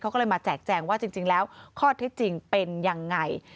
เขาก็เลยมาแจกแจงว่าจริงแล้วข้อเท็จจริงเป็นยังไง